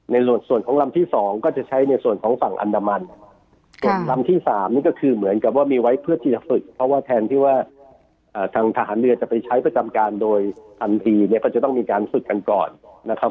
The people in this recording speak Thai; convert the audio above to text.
ในส่วนของลำที่สองก็จะใช้ในส่วนของฝั่งอันดามันส่วนลำที่๓นี่ก็คือเหมือนกับว่ามีไว้เพื่อที่จะฝึกเพราะว่าแทนที่ว่าทางทหารเรือจะไปใช้ประจำการโดยทันทีเนี่ยก็จะต้องมีการฝึกกันก่อนนะครับ